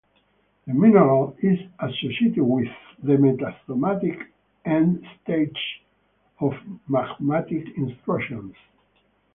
The mineral is associated with the metasomatic end stages of magmatic intrusions.